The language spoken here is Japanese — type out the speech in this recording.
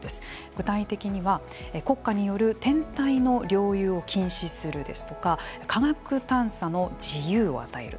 具体的には国家による天体の領有を禁止するですとか科学探査の自由を与える